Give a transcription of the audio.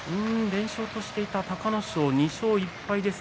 連勝としていた隆の勝２勝１敗です。